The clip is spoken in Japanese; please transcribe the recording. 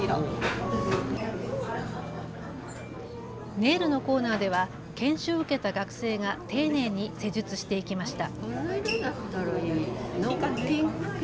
ネイルのコーナーでは研修を受けた学生が丁寧に施術していきました。